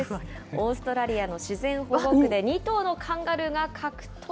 オーストラリアの自然保護区で２頭のカンガルーが格闘。